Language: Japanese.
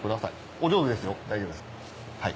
お上手ですよ大丈夫ですはい。